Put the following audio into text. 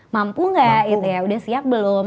mampu gak udah siap belum